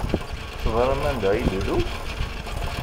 Teẓṛam anda i d-ilul?